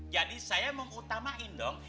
jadi saya mau utamain dong